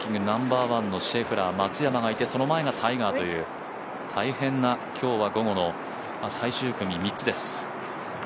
ナンバーワンのシェフラー松山がいて、その前がタイガーという大変な今日は午後の最終組、３つです。